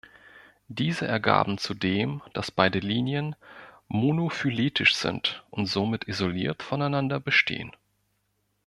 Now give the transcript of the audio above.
Diese ergaben zudem, dass beide Linien monophyletisch sind und somit isoliert voneinander bestehen.